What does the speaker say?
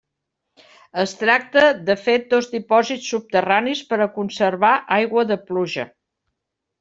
Es tracta, de fet dos dipòsits subterranis per a conservar aigua de pluja.